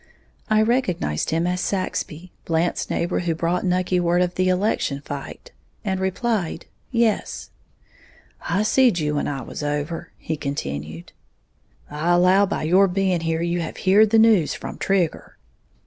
I recognized him as Saxby, Blant's neighbor who brought Nucky word of the election fight, and replied, "Yes." "I seed you when I was over," he continued. "I allow by your being here you have heared the news from Trigger."